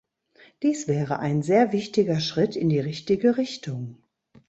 Dies wäre ein sehr wichtiger Schritt in die richtige Richtung.